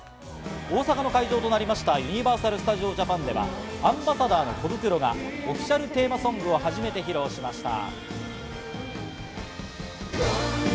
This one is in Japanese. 大阪の会場となりましたユニバーサル・スタジオ・ジャパンでは、アンバサダーのコブクロがオフィシャルテーマソングを初めて披露しました。